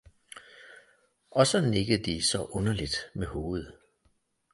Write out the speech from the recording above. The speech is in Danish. Og så nikkede de så underligt med hovedet